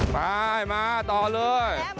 ไปมาต่อเลย